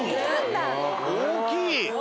大きい。